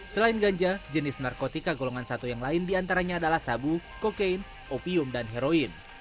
selain ganja jenis narkotika golongan satu yang lain diantaranya adalah sabu kokain opium dan heroin